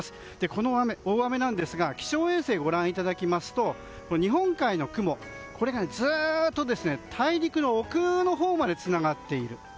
この大雨ですが気象衛星をご覧いただきますと日本海の雲がずっと大陸の奥のほうまでつながっている。